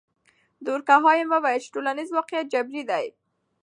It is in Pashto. دورکهایم وویل چې ټولنیز واقعیت جبري دی.